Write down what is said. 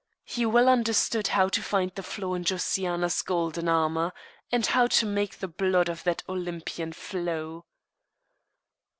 He well understood how to find the flaw in Josiana's golden armour, and how to make the blood of that Olympian flow.